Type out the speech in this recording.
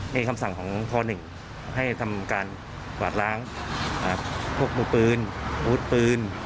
ในคำสั่งของพหนึ่งให้ทำการกวาดล้างพวกมือปืนหลุดปืน